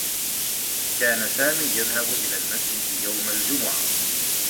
كان سامي يذهب إلى المسجد يوم الجمعة.